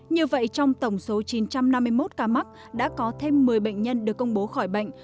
như vậy trong tổng số chín trăm năm mươi một ca mắc đã có thêm một mươi bệnh nhân được công bố khỏi bệnh